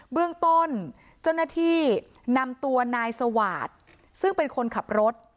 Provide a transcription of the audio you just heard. เบื้องต้นเจ้าหน้าที่นำตัวนายสวาสตร์ซึ่งเป็นคนขับรถ